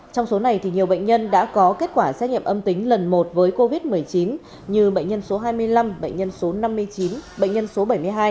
trong số này nhiều bệnh nhân đã có kết quả xét nghiệm âm tính lần một với covid một mươi chín như bệnh nhân số hai mươi năm bệnh nhân số năm mươi chín bệnh nhân số bảy mươi hai